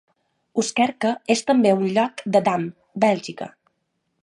Oostkerke és també un lloc de Damme, Bèlgica.